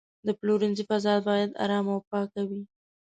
د پلورنځي فضا باید آرامه او پاکه وي.